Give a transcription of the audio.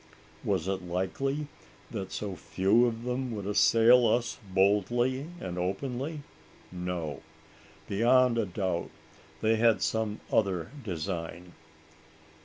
Was it likely that so few of them would assail us boldly and openly? No. Beyond a doubt, they had some other design!